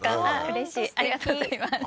うれしいありがとうございます